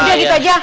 udah gitu aja